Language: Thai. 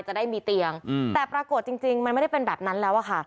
จะได้มีเตียงแต่ปรากฏจริงมันไม่ได้เป็นแบบนั้นแล้วอะค่ะ